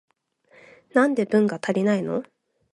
なんで文が足りないの？